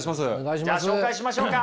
じゃあ紹介しましょうか。